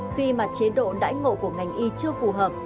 khi mà chế độ đãi ngộ của ngành y chưa phù hợp